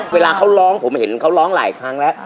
เวลาเขาร้องผมเห็นเขาร้องหลายครั้งแล้ว